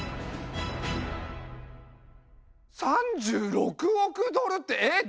３６億ドルってえっ